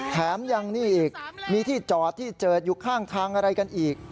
แถมยังนี่อีกมีที่จอดที่เจิดอยู่ข้างทางอะไรกันอีก